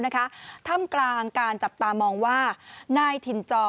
นะคะท่ำกลางการจับตามองว่าณทินจอ